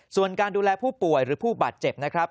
ส่วนการดูแลผู้ป่วยหรือผู้บาดเจ็บนะครับ